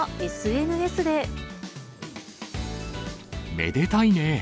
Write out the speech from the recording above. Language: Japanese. めでたいねー。